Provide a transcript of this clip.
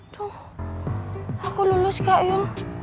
aduh aku lulus gak ya